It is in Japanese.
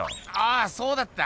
あそうだった！